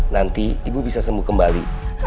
nanti ibu bisa sembuh kembali